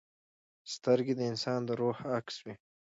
سترګې د انسان د روح عکس وي